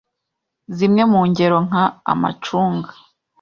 Zimwe mu ngero nka amacunga,